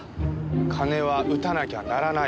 鐘は打たなきゃ鳴らない。